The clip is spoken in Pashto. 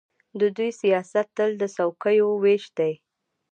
د دوی سیاست تل د څوکۍو وېش دی.